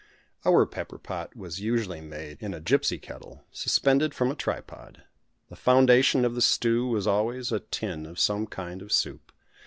Our pepper pot was usually made in a gipsy kettle, suspended from a tripod. The foundation of the stew was always a tin of some kind of soup.